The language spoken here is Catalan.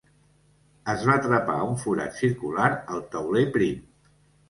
Es va trepar un forat circular al tauler prim.